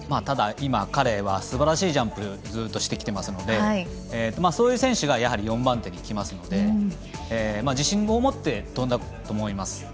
彼はすばらしいジャンプをずっとしてきていますのでそういう選手がやはり４番手にきますので自信を持って飛んだと思います。